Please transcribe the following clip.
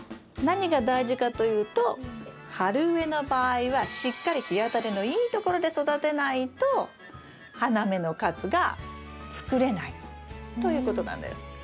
何が大事かというと春植えの場合はしっかり日当たりのいいところで育てないと花芽の数が作れないということなんです。